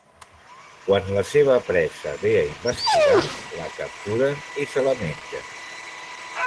Quan la seva presa ve a investigar, la capturen i se la mengen.